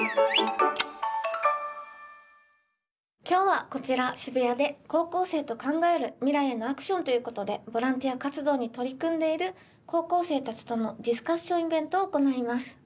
今日はこちら渋谷で高校生と考える未来へのアクションということでボランティア活動に取り組んでいる高校生たちとのディスカッションイベントを行います。